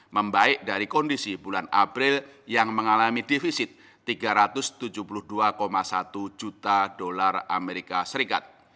membaik dari kondisi bulan april yang mengalami defisit tiga ratus tujuh puluh dua satu juta dolar amerika serikat